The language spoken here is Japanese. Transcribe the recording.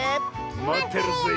まってるぜえ。